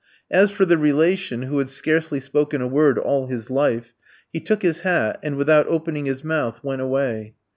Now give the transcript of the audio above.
As for the relation, who had scarcely spoken a word all his life, he took his hat, and, without opening his mouth, went away.